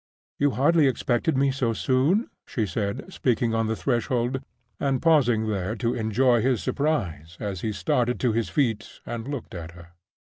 "You hardly expected me so soon?" she said speaking on the threshold, and pausing there to enjoy his surprise as he started to his feet and looked at her.